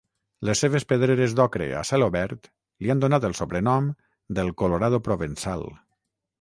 Les seves pedreres d'ocre a cel obert li han donat el sobrenom del Colorado provençal.